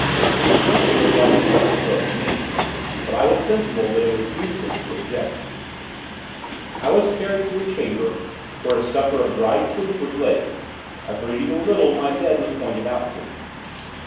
This answer was like a thunder stroke to me; but I was sensible that it was useless to object. I was carried to a chamber, where a supper of dried fruits was laid; after eating a little, my bed was pointed out to me.